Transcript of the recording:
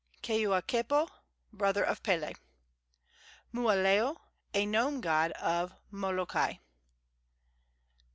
Keuakepo, brother of Pele. Mooaleo, a gnome god of Molokai.